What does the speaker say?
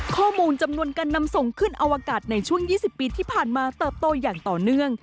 ข้อมูลจำนวนการนำส่งขึ้นอวกาศในช่วง๒๐ปีที่ผ่านมาเติบโตอย่างต่อเนื่อง